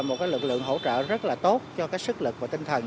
một cái lực lượng hỗ trợ rất là tốt cho cái sức lực và tinh thần